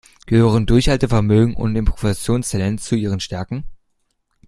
Gehören Durchhaltevermögen und Improvisationstalent zu Ihren Stärken?